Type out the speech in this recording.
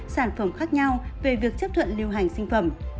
sản phẩm khác nhau về việc chấp thuận lưu hành sinh phẩm